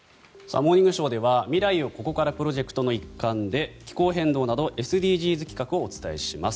「モーニングショー」では未来をここからプロジェクトの一環で気候変動などＳＤＧｓ企画をお伝えします。